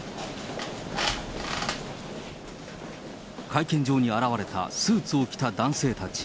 会見場に現れた、スーツを着た男性たち。